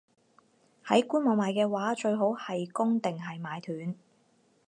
喺官網買嘅話，最好係供定係買斷?